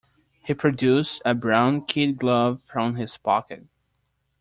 He produced a brown kid glove from his pocket.